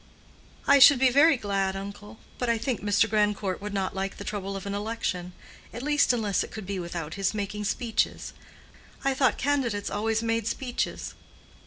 "I should be very glad, uncle. But I think Mr. Grandcourt would not like the trouble of an election—at least, unless it could be without his making speeches. I thought candidates always made speeches."